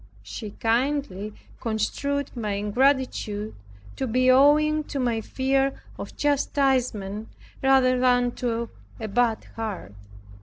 She kindly construed my ingratitude to be rather owing to my fear of chastisement, than to a bad heart.